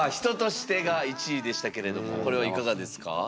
「人として」が１位でしたけれどもこれはいかがですか。